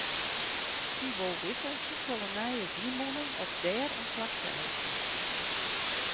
Sy wol witte hoefolle nije wynmûnen oft dêr in plak krije kinne.